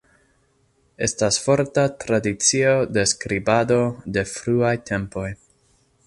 Estas forta tradicio de skribado de fruaj tempoj.